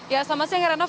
ya selamat siang herenov